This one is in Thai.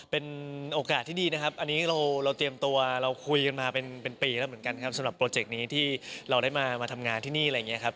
เป็นโอกาสที่ดีนะครับอันนี้เราเตรียมตัวเราคุยกันมาเป็นปีแล้วเหมือนกันครับสำหรับโปรเจกต์นี้ที่เราได้มาทำงานที่นี่อะไรอย่างนี้ครับ